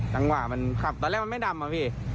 จังหวะมันขับตอนแรกมันไม่ดำอะพี่